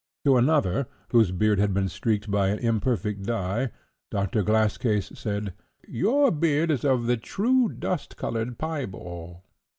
" To another, whose beard had been streaked by an imperfect dye, Doctor Glasscase said, "Your beard is of the true dust coloured pieball."